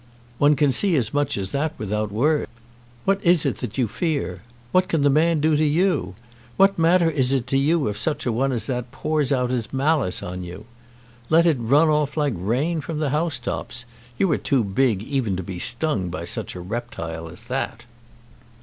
"One can see as much as that without words. What is it that you fear? What can the man do to you? What matter is it to you if such a one as that pours out his malice on you? Let it run off like the rain from the housetops. You are too big even to be stung by such a reptile as that."